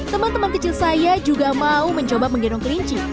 teman teman kecil saya juga mau mencoba menggendong kelinci